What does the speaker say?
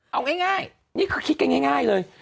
เอาง่ายนี่คือคิดกันง่ายเลย